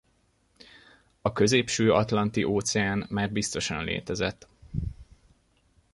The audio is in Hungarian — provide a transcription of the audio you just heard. A Középső-Atlanti-óceán már biztosan létezett.